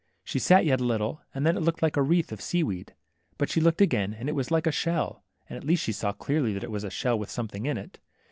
She sat yet a little, and then it looked like a wreath of sea weed. But she looked again, and it was like a shell, and at last she saw clearly that it was a shell with something in it.